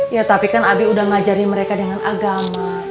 ya tapi kan abi udah ngajarin mereka dengan agama